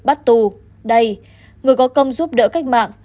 bắt tù đầy người có công giúp đỡ cách mạng